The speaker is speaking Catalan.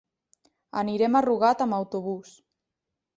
Anirem a Rugat amb autobús.